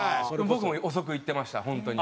僕も遅く言ってました本当に。